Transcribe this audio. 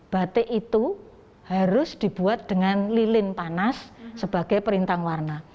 batik itu harus dibuat dengan lilin panas sebagai perintang warna